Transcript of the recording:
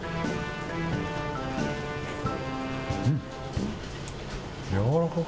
うん！